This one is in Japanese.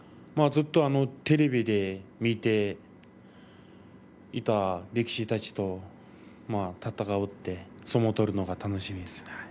ずっとテレビで見ていた力士たちと相撲を取るのが楽しいです。